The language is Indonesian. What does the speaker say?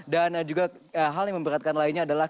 dan juga hal yang memberatkan lainnya adalah